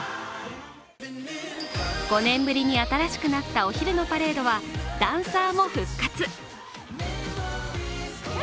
５年ぶりに新しくなったお昼のパレードはダンサーも復活。